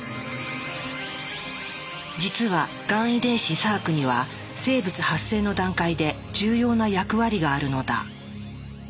実はがん遺伝子サークには生物発生の段階で重要な役割があるのだ。